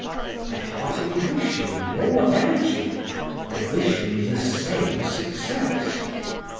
I heartily wish him more energy. I wish him the same success.